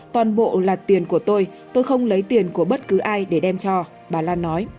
toàn bộ là tiền của tôi tôi không lấy tiền của bất cứ ai để đem cho bà lan nói